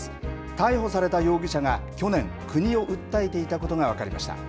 逮捕された容疑者が去年、国を訴えていたことが分かりました。